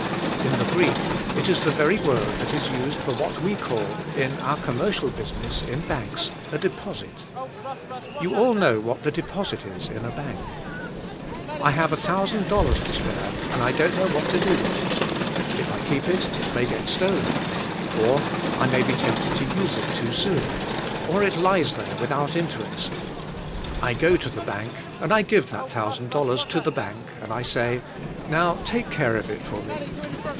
In the Greek it is the very word that is used for what we call, in our commercial business, in banks, a deposit. You all know what the deposit is in a bank. I have a thousand dollars to spare and I don't know what to do with it; if I keep it, it may get stolen, or I may be tempted to use it too soon, or it lies there with out interest. I go to the bank and I give that thousand dollars to the bank, and I say, "Now take care of it for me."